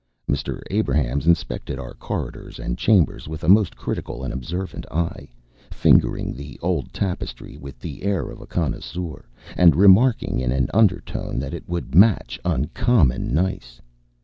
Mr. Abrahams inspected our corridors and chambers with a most critical and observant eye, fingering the old tapestry with the air of a connoisseur, and remarking in an undertone that it would "match uncommon nice."